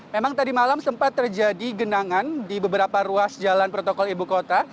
memang tadi malam sempat terjadi genangan di beberapa ruas jalan protokol ibu kota